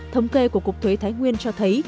thống kê của cục thuế thái nguyên cho thấy